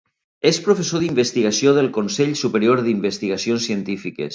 És professor d'investigació del Consell Superior d'Investigacions Científiques.